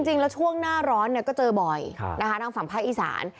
จริงแล้วช่วงหน้าร้อนก็เจอบ่อยนะคะทางฝั่งภาคอีสาน